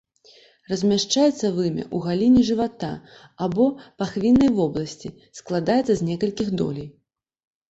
Размяшчаецца вымя ў галіне жывата або пахвіннай вобласці, складаецца з некалькіх доляй.